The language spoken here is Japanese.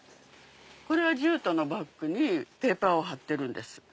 これはジュートのバッグにペーパーを貼ってるんです。